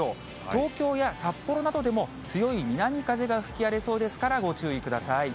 東京や札幌などでも、強い南風が吹き荒れそうですから、ご注意ください。